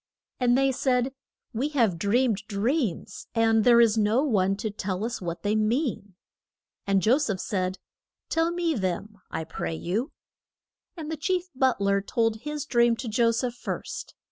And they said, We have dreamed dreams, and there is no one to tell us what they mean. And Jo seph said, Tell me them, I pray you. And the chief but ler told his dream to Jo seph first.